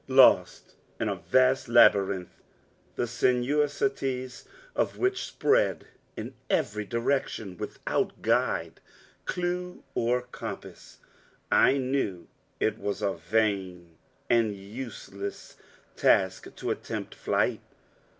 Lost in a vast labyrinth, the sinuosities of which spread in every direction, without guide, clue or compass, I knew it was a vain and useless task to attempt flight.